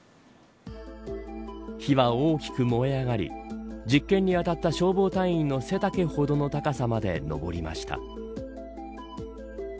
火は大きく燃え上がり実験に当たった消防隊員の背丈ほどの高さまで上りました。